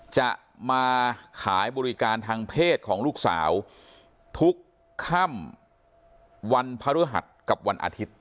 จะมาขายบริการทางเพศของลูกสาวทุกค่ำวันพฤหัสกับวันอาทิตย์